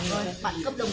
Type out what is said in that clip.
cho hạn dẫn hành xuống